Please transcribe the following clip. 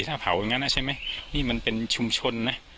ถ้าเผาอย่างนั้นใช่ไหมนี่มันเป็นชุมชนนะ